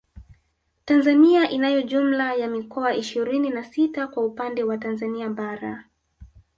Tanzania inayo jumla ya mikoa ishirini na sita kwa upande wa Tanzania bara